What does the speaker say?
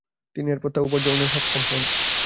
তিনি এরপর তা উপার্জনে সক্ষম হন।